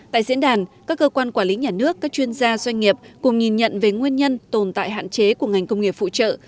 tại diễn đàn các cơ quan quản lý nhà nước các chuyên gia doanh nghiệp cùng nhìn nhận về nguyên nhân tồn tại hạn chế của ngành công nghiệp phụ trợ